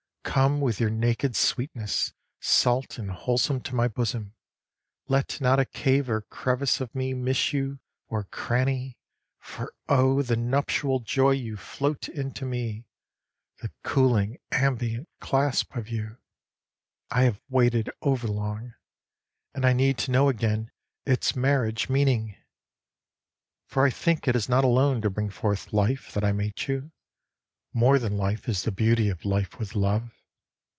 Come with your naked sweetness, salt and wholesome, to my bosom; Let not a cave or crevice of me miss you, or cranny, For, oh, the nuptial joy you float into me, The cooling ambient clasp of you, I have waited over long, And I need to know again its marriage meaning!_ _For I think it is not alone to bring forth life, that I mate you; More than life is the beauty of life with love!